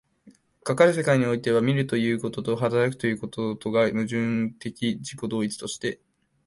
かかる世界においては、見るということと働くということとが矛盾的自己同一として、